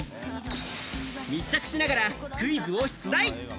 密着しながらクイズを出題。